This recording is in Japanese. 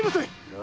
何？